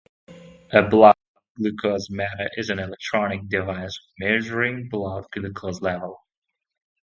A blood glucose meter is an electronic device for measuring the blood glucose level.